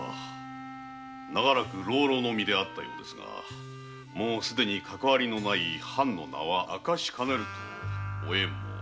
長らく浪々の身であったようですがすでにかかわりのない藩名は明かしかねるとおえんも。